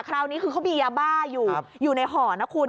คราวนี้คือเขามียาบ้าอยู่อยู่ในห่อนะคุณ